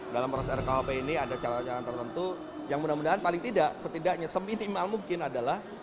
dalam proses rkuhp ini ada cara cara tertentu yang mudah mudahan paling tidak setidaknya seminimal mungkin adalah